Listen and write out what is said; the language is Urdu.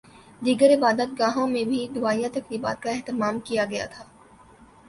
دیگر عبادت گاہوں میں بھی دعائیہ تقریبات کا اہتمام کیا گیا تھا